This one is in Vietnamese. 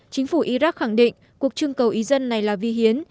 chính phủ iraq khẳng định cuộc trưng cầu ý dân này là vi hiến